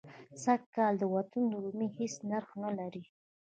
سږ کال د وطن رومي هېڅ نرخ نه لري.